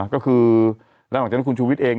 ก็คือแล้วหลังจากนั้นคุณชูวิทย์เอง